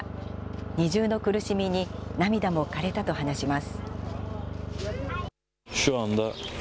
二重の苦しみに涙もかれたと話します。